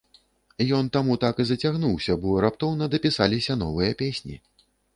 Ён таму так і зацягнуўся, бо раптоўна дапісаліся новыя песні.